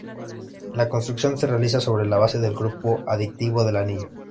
La construcción se realiza sobre la base del grupo aditivo del anillo.